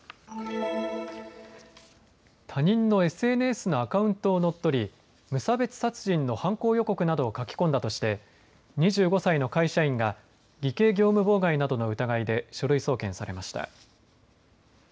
他人のＳＮＳのアカウントを乗っ取り、無差別殺人の犯行予告などを書き込んだとして２５歳の会社員が偽計業務妨害などの疑いで書類送検されました。